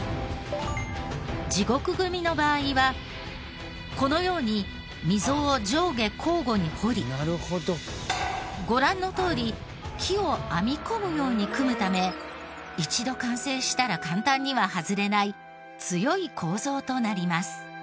地獄組の場合はこのように溝を上下交互に掘りご覧のとおり木を編み込むように組むため一度完成したら簡単には外れない強い構造となります。